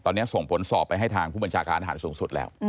ตอนนี้ส่งผลสอบไปให้ทางผู้บัญชาการอาหารสูงสุดแล้ว